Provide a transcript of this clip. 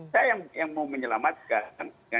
saya yang mau menyelamatkan